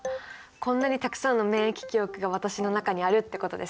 こんなにたくさんの免疫記憶が私の中にあるってことですね。